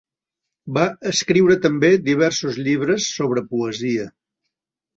Va escriure també diversos llibres sobre poesia.